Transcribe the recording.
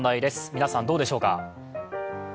皆さんどうでしょうか。